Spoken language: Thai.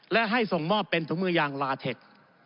และให้ส่งมอบเป็นถุงมือยางลาเทค